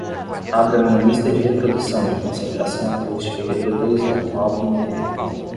Abra minha lista de reprodução de concentração acústica e reproduza um álbum inteiro